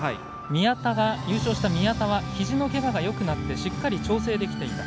優勝した宮田はひじのけががよくなってしっかり調整できていた。